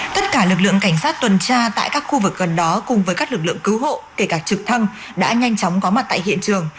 tất cả lực lượng cảnh sát tuần tra tại các khu vực gần đó cùng với các lực lượng cứu hộ kể cả trực thăng đã nhanh chóng có mặt tại hiện trường